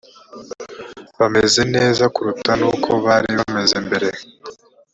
bameze neza kuruta n uko bari bameze mbere